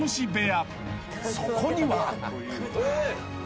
［そこには］